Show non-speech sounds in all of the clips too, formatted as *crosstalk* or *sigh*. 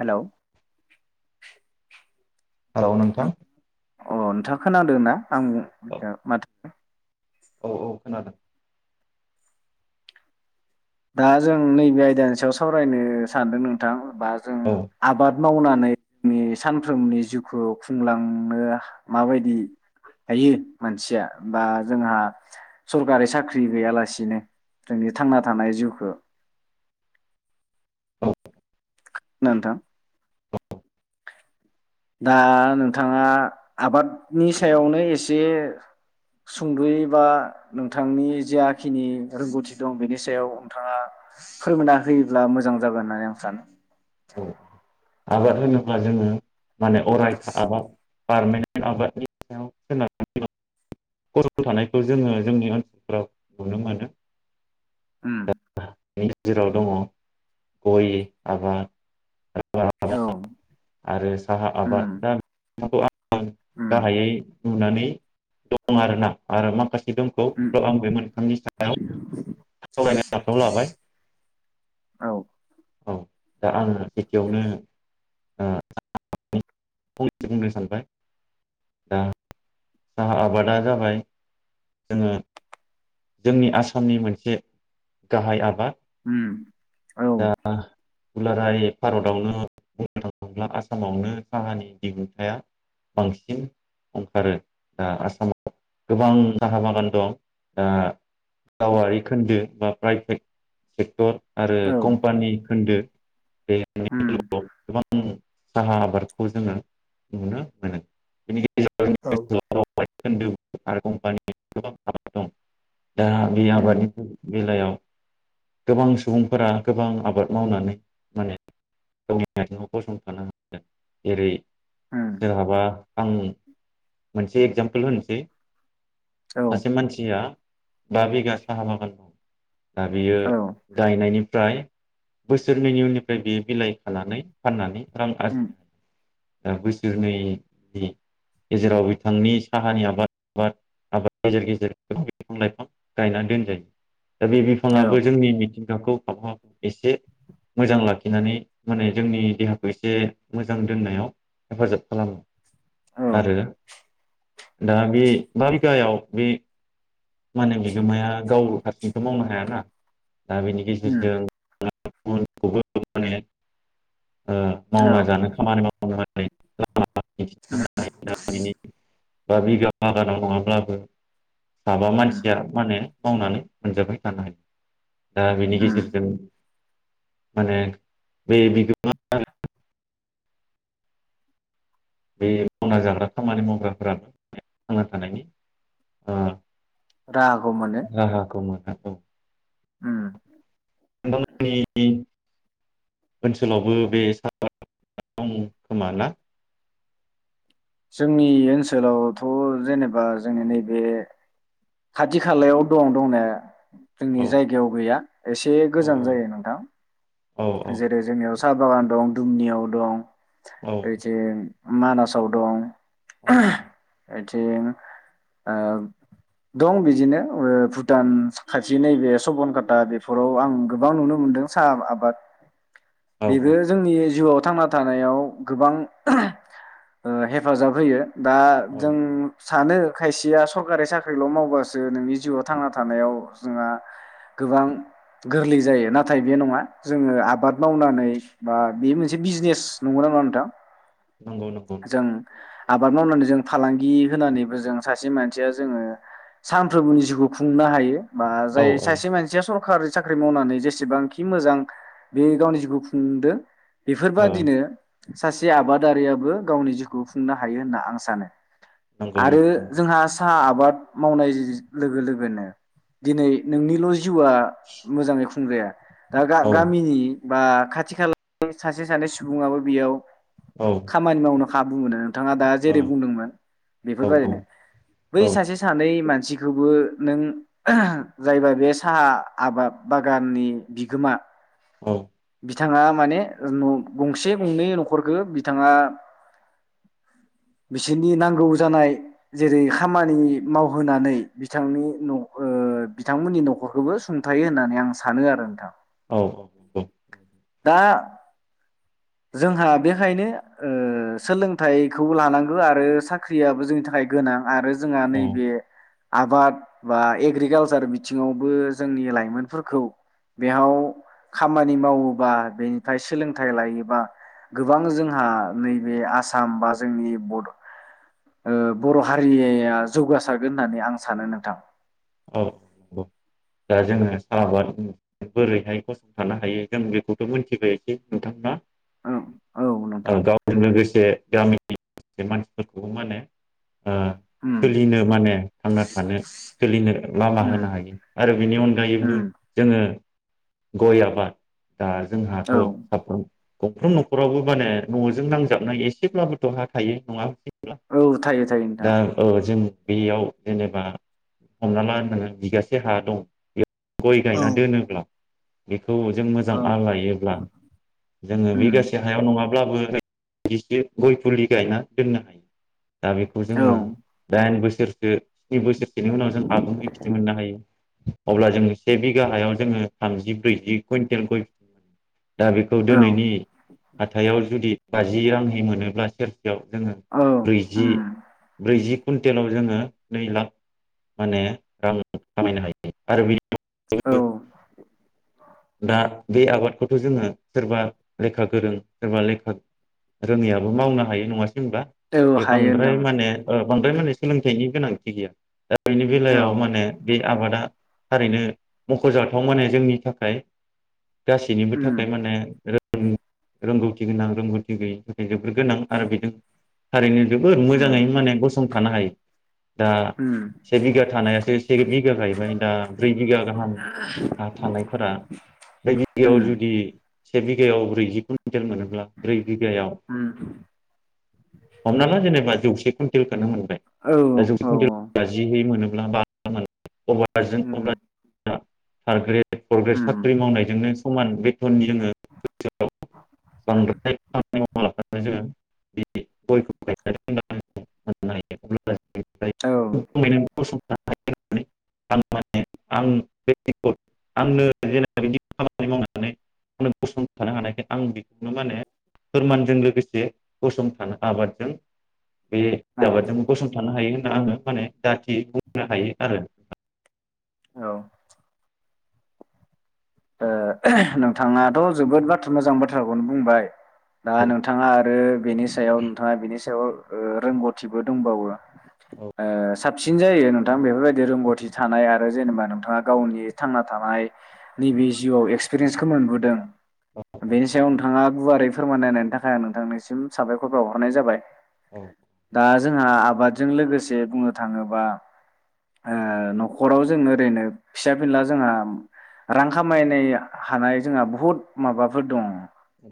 हेल' औ नोंथां अ नोंथाङा खोनादो ना? आं ओ माथो औ औ खोनादों। दा जों नैबे आयदानि सायाव सावरायनो सानदों नोंथां बा जों औ आबाद मावनानै जोंनि सानफ्रोमनि जिउखौ खुंलांनो माबायदि हायो मानसिया बा जोंहा सरकारि साख्रि गैयालासिनो जोंनि थांना थानाय जिउखो औ नोंथा दा नोंथाङा आबादनि सायावनो एसे सुंद'यै बा नोंथांनि जाखिनि रोंगौथि दं बेनि सायाव नोंथाङा फोरमायना होयोब्ला मोजां जागोन होननानै आं सानो औ आबाद होनोब्ला जोङो माने अरायथा आबाद पारमेन्ट आबादनि सायाव सोनारनानै *unintelligible* थानायखौ जोङो जोंनि ओनसोलफ्राव नुनो मोनो उम गेजेराव दङ गय आबाद *unintelligible* औ आरो साहा आबाद उम आ उम गाहायै नुनानै दं आरोना आरो माखासे दंबावो उम थ आं बे मोन थांनि सायाव सावरायनो आखायाव लाबाय औ औ दा आङो एसेयावनो सा *unintelligible* फंनैसो बुंनो सानबाय दा आ आबादा जाबाय जोङो जोंनि आसामनि मोनसे गाहाय आबाद उम औ दा दुलाराय भारतआवनो बुंनो थाङोब्ला आसामावनो साहानि दिहुनथाया बांसिन अंखारो दा आसामाव गोबां साहा बागान दं दा गावारि खोन्दो बा प्राइभेट सेक्टर आरो पाननि खोन्दो बे उम। मोननैआव गोबां साहा आबादखौ जोङो नुनो मोनो। बेनि औ *unintelligible* आरो कम्पानि गोबां *unintelligible* दं दा बे उम आबादनि बेलायाव गोबां सुबुंफोरा गोबां आबाद मावनानै माने गावनि आयथिङाव गसंथानो हादों। जेरै उम सोरहाबा आं मोनसे एगजामपोल होनोसै औ सासे मानसिया बा बिगा साहा बागान दं। दा बियो औ गायनायनिफ्राय बोसोरनैनि उननिफ्राय बियो बिलाइ खानानै फाननानै रां उम आरजिनो हायो। दा बैसोरनि दि गेजेराव बिथांनि साहानि आबाद *unintelligible* गेजेर गेजेर बिफां लाइफां गायनानै दोनजायो। दा बे औ औ बिफाङाबो जोंनि मिथिंगाखौ आबहावाखौ एसे मोजां लाखिनानै माने जोंनि देहाखौ एसे मोजां दोननायाव हेफाजाब खालामो। आरो दा बे बा बिगायाव बे मानो बिगोमाया गाव हारसिंथ' मावनो हाया ना। दा बेनि उम गेजेरजों *unintelligible* ओ औ मावना जानो खामानि माव उम *unintelligible* *unintelligible* नि बा बिगा बागानाव नङाब्लाबो साबा उम मानसिया मानो मावनानै मोनजाबाय थानो हायो। दा बेनि उम गेजेरजों माने बे बिगोमा बे मावना जाग्रा खामानि मावग्राफोराबो थांना थानायनि ओ राहा राहाखौ मोनो। औ। उम। नोंथांमोननि ओनसोलावबो बे *inaudible* दं खोमा ना जोंनि ओनसोलावथ जेनेबा जोंनि नैबे खाथि खालायाव दं दंनाया औ जोंनि जायगायाव गैया एसे गोजान औ जायो नोंथां औ जेरै जोंनियाव साह बागान दं दुमनियाव दं। औ ओइथिं मानासाव दं। औ औ ओइथिं दं बिदिनो भुटान खाथि नैबे सबनकाटा बेफोराव आं गोबां नुनो मोनदों साहा आबाद। *unintelligible* औ बेबो जोंनि जिउआव थांना थानायाव गोबां ओ हेफाजाब होयो। दा औ जों सानो खायसेया सरकारि साख्रिल' मावबासो नोंनि जिउआव थांना थानायाव जोंहा गोबां गोरलै जायो नाथाय बे नङा। जोङो आबाद मावनानै बा बे मोनसे बिजनेस नंगौ ना नंआ नोंथां। नंगौ नंगौ जों- आबाद मावनानै जों फालांगि होनानैबो जों सासे मानसिया जोङो सानफ्रोमबोनि जिउखौ खुंनो हायो। बा औ जाय औ सासे ओ मानसिया सर सरकारि साख्रि मावनानै जेसेबांखि मोजां। बे गावनि जिउखौ खुंदो। बेफोरबादिनो सासे आबादारियाबो गावनि जिउखौ खुंनो हायो होनना आं सानो। नंगौ आरो नंगौ नोंथां जोंहा साहा आबाद। मावनाय जि-जि लोगो-लोगोनो दिनै नोंनिलजि जिउआ मोजाङै खु *unintelligible* दा। औ गामिनि। बा खाथि खाला सासे सानै सुबुङाबो बेयाव। औ खामानि मावनो खाबु मोनो। बिथाङा दा औ जेरै- बुंदोंमोन औ नंगौ बेफोरबायदिनो बै औ सासे सानै मानसि। बेखौबो नों ओहो जायबा बे साहा आबाब बागाननि बिगोमा। औ। बिथाङा माने गंसे गंनै न'खरखो बिथाङा बिसोरनि नांगौ जानाय जेरै- खामानि मावहोनानै बिथांनि न' ओ बिथांमोननि न'खरखौबो सुंथायो होननानै आं सानो आरो नोंथां। औ-औ-औ-औ। दा जोंहा बेखायनो ओ सोलोंथाइखौबो लानांगो आरो साख्रियाबो जोंनि थाखाय गोनां। आरो जोंहा नैबे आबाद बा एग्रिकालसार बिथिङावबो जोंनि लाइमोनफोरखौ बेयाव खामानि मावो बा बेनिफाय सोलोंथाइ लायोबा गोबां जोंहा नैबे आसाम बा जोंनि बर' ओ हारियाया जौगासारगोन होननानै आं सानो नोंथां। औ औ दा जोङो साहाबाद बोरैहाय गसंथानो हायो जों बेखौथ' मोनथिबायसै नोंथां ना? ओं औ ओ नोंथां गावजो लोगोस *unintelligible* मानो ओ उम सोलिनो माने थांना थानो सोलिनो लामा उम होनो हायो आरो बिनि अनगायैबो उम जोङो गय आबाद दा जोंहाथ' औ साफ्रोम गंफ्रोम न'खरावबो माने न'जों नांजाबनाय एसेब्लाबोथ' हा थायो नङा औ थायो थायो नोंथां। दा ओ जों बेयाव जेनेबा हमना ला नोङो बिगासे हा दं बेया गय औ गायना दोनोब्ला औ जों मोजां औ आ लायोब्ला जोङो उम बिगासे हायाव नङा ब्लाबो *inaudible* गय फुलि गायना दोननो हायो। दा बेखौ जोङो औ दाइन बोसो सोरसो *unintelligible* बिनि उनाव जों आबुंनि फिथाइ मोननो हायो। अब्ला जोङो से बिघा हायाव जोङो थामजि ब्रैजि कुइन्टेल गय दा बेखौ औ दोनैनि हाथायाव जुदि बाजि रांहै मोनोब्ला सेर याव जोङो औ बैजि उम ब्रैजि कुन्टेलाव जोङो नै लाख माने रां खामायनो हायो आरो बि औ *unintelligible* दा बे आबादखौथ' जोङो सोरबा लेखा गोरों सोरबा लेखा रोङैयाबो मावनो हायो नङा होनबा औ बे हायो बांद्राय नोंथां माने ओ बांद्राय माने सोलोंथाइनि गोनां *unintelligible* बेनि औ बेलायाव माने बे आबादा थारैनो मख'जाथाव माने जोंनि थाखाय गासैनिबो उम थाखाय माने बिरा ओं रोंगौथि गोनां रोंगौथि गैयै थाखाय जोबोर गोनां आरो बेजों थारैनो जोबोर उम मोजाङैनो माने संफानो हायो दा उम से बिघा थानायासो एक बिघा गायबाय दा ब्रै बिघा गाहाम हा थानायफोरा ब्रै बिगायाव उम जुदि से बिघायाव ब्रैजि कुन टेल मोनोब्ला ब्रै बिघायाव उम हमना ला जेनेबा जौ से कुन्टेल खोनो मोन औ औ औ जिहै मोनोब्ला बा मोन अभारजों उम अब्ला *inaudible* थारग्रेड द फरग्रेस उम साख्रि मावनायजोंनो समान बे फोरनि जोङो ओनसोलाव बांद्राय खामानि माव ओ मालाबा जोङो बे गयखौ गायनानै होनो हायो हाननो हायो अब्ला जों औ ओ बुंनाय दङ फसन आ माने आं माने आंनो जेन बि खामानि मावनानै आंनो गसंथानो हानायखाय आं बेखौनो माने फोरमानजों लोगोसे गसंथानो आबादजों बे औ आबादजों गसंथानो हायो। आङो माने जाथि बुंनो हायो आरो औ ओ नोंथाङाथ' जोबोद बाथ थ' मोजां बाथ्राखौनो बुंबाय। दा औ नोंथाङा आरो बेनि सायाव नोंथाङा बेनि सायाव ओ रोंगौथिबो दंबावो। औ ओ सात सिन जायो नोंथां बेफोरबायदि रोंगौथि थानाय आरो जेनेबा नोंथाङा गावनि थांना थानाय नैबे जिउआव एक्सपिरियेन्सखो मोनबोदों बेनि सायाव नोंथाङा गुवारै फोरमान नायनायनि थाखाय आं नोंथांनिसिम साबायखर बावहरनाय जाबाय। औ दा जोंहा आबादजों लोगोसे बुंनो थाङोबा ओ न'खराव जों ओरैनोब फिसा फिनला जोंहा रां खामायनाय हानाय जोंहा बहुद माबाफोर दं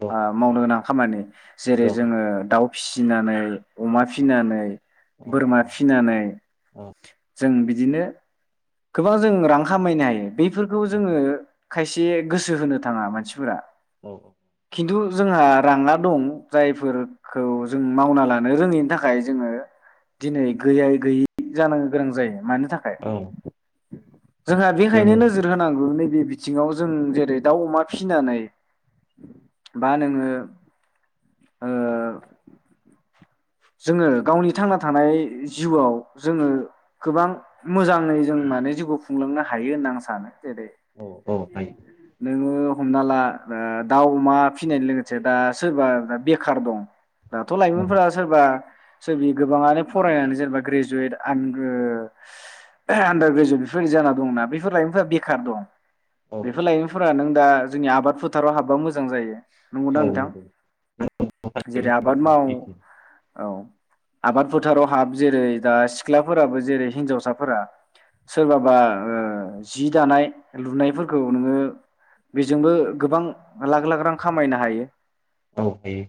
दं ओ मावनो गोनां खामानि जेरै दं जोंङो दाउ फिसिनानै अमा फिसिनानै औ बोरमा औ फिसिनानै औ जों बिद बिदिनो गोबां जों रां खामायनो हायो बेैफोरखौ ज औ जोंङो खायसे गोसो होनो थाङा मानसिफोरा औ औ खिन्थु जोंहा राङा दं जायफोरखौ जों मावना लानो रोङैनि थाखाय जोंङो दिनै गैयै गैयै जानो गोनां जायो मानो थाखाय औ जोंहा जों बेहायनो नोजोर होनां ओ नैबे बिथिङाव जों जेरै दाउ अमा फिसिनानै बा नोंङो ओ जोंङो गावनि थांना थानाय जिउआव जोंङो गोबां मोजाङै जों माने जिउखौ खुंलांनो हायो होनना आं सानो। औ औ हायो। नोंङो हमना ला ओ दाउ, अमा फिसिनाय लोगोसे दा सोरबा बेखार दं। दाथ' औ लाइमोनफोरा जोंदि गोबाङानो फरायनानै जेनेबा ग्रेजुवेट आन्दार ग्रेजुवेट बेफोरबायदि जाना दंना बेफोर लाइमोनफोरा बेखार दं। औ बेफोर लइमोनफोरा नों दा जोंनि आबाद फोथाराव हाबबा मोजां जायो औ नंगौदां नंगौ नोंथां नों बेनि जेरै आबाद बाथ्राया माव सैथो औ आबाद फोथाराव हाब जेरै दा सिख्लाफोराबो जेरै हिनजावसाफोरा सोरबाबा जि दानाय लुनायफोरखौ नोंङो बेजोंबो गोबां लाख लाख रां खामायनो हायो। औ हायो।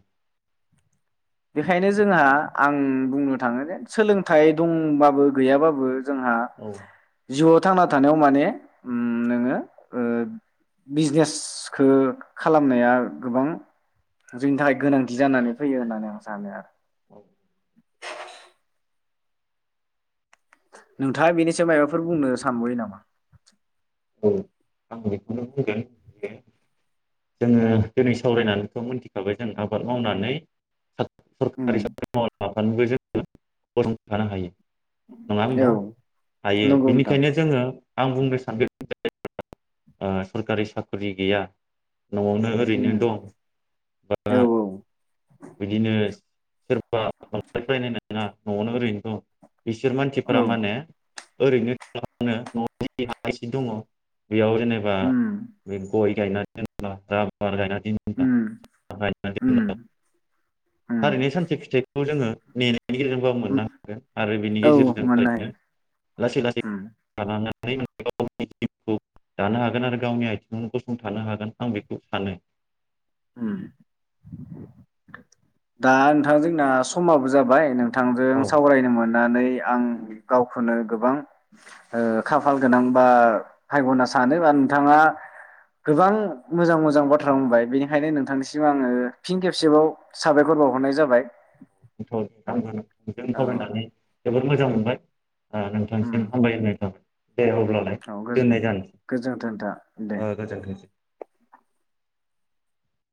बेखायनो जोंहा आं बुंनो थाङो जे सोलोंथाइ दंबाबो गैयाबाबो जोंहा औ *unintelligible* थांना थानायाव माने नोंङो बिजनेसखो खालामनाया गोबां जोंनि थाखाय गोनांथि जानानै फैयो होननानै सानो आरो औ नोंथाङा बेनिसायाव मबाफोर बुंनो सानबयो नामा? औ आं बेखौनो बुंगोन जोंङो दिनै सावरायनानैखौ मिथिखाबाय जों आबाद मावनानै सरकारि उम साख्रि मावाब्ला *unintelligible* नङा औ होमबा हायो नंगौ नोंथां बिनिखायनो जोंङो आं बुंनो सानदों *unintelligible* सरखारि साख्रि गैया न'आवनो उम ओरैनो दं औ बा बिदिनो सोरबा बांद्राय फरायनाय नङा न'आवनो ओरैनो दं बिसोर औ मानसिफोरा माने ओरैनो थानो न'आव हा एसे दङ बेयाव जेनेबा उम बे गय *unintelligible* उम गायना उम दोनब्ला उम थारैनो सानसे फिथाइ खौ जोङो ने बाबो उम मोननो हागोन आरो बेनि औ गेजेरजों मोननो हायो थारैनो लासै लासै उम लानानै *unintelligible* गाव जिउखौ दानो हागोन आरो गावनि आथिङावनो गसंथानो हागोन आं बेखौ सानो। ओम दा नोंथां जोंना समाबो जाबाय नों थांजों औ सावरायनोमोन नानै आं गावखौनो गोबां खाफाल गोनां बा भायग'ना सानो बा नोंथाङा गोबां मोजां मोजां बाथ्रा बुंबाय बेनिखायनो नोंथांनिसिम आङो फिन खेबसेबाव साबायखर बावहरनाय जाबाय। *unintelligible* जों औ सावरायनानै जोबोर मोजां मोनबाय उम नोंथांसिम हामबाय होननाय थाबाय। दे अब्लालाय औ दोननाय गोजोनथों नोंथां दे जानोसै ओ गोजोनथों।